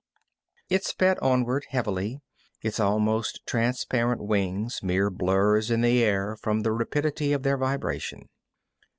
It sped onward, heavily, its almost transparent wings mere blurs in the air from the rapidity of their vibration.